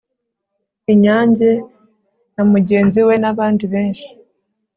inyange na mugenzi we, nabandi benshi